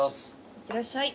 いってらっしゃい。